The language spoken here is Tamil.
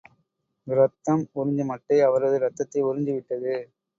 இரத்தம் உறிஞ்சும் அட்டை, அவரது ரத்தத்தை உறிஞ்சி விட்டது.